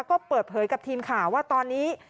ก็เปิดเผยกับทีมข่าวว่าตอนนี้